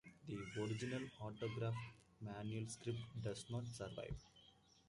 The original autograph manuscript does not survive.